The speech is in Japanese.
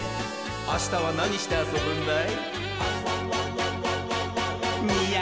あしたはなにしてあそぶんだい？